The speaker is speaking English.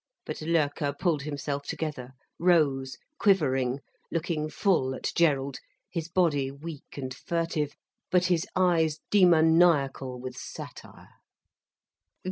But Loerke pulled himself together, rose, quivering, looking full at Gerald, his body weak and furtive, but his eyes demoniacal with satire.